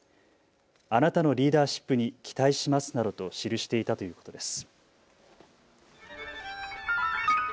あなたのリーダーシップに期待しますなどと記していたということです。